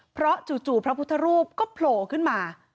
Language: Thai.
เพราะจู่พระพุทธรูปก็โผล่ขึ้นมา